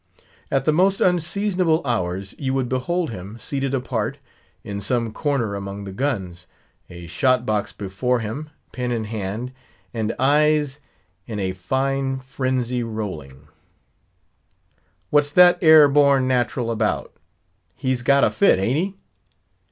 At the most unseasonable hours, you would behold him, seated apart, in some corner among the guns—a shot box before him, pen in hand, and eyes "in a fine frenzy rolling." "What's that 'ere born nat'ral about?"—"He's got a fit, hain't he?"